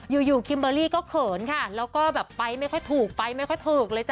อยู่อยู่คิมเบอร์รี่ก็เขินค่ะแล้วก็แบบไปไม่ค่อยถูกไปไม่ค่อยถูกเลยจ้